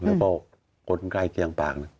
แล้วก็คนใกล้เคียงปาก